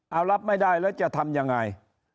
เอารับไม่ได้แล้วจะทำยังไง